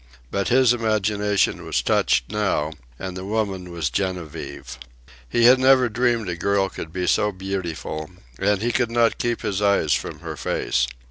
But his imagination was touched now, and the woman was Genevieve. He had never dreamed a girl could be so beautiful, and he could not keep his eyes from her face.